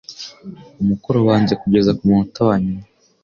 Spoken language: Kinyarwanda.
umukoro wanjye kugeza kumunota wanyuma